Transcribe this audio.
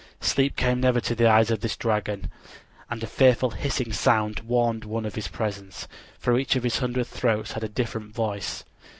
Sleep came never to the eyes of this dragon and a fearful hissing sound warned one of his presence, for each of his hundred throats had a different voice.